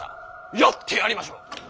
やってやりましょう！